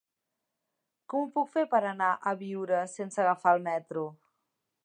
Com ho puc fer per anar a Biure sense agafar el metro?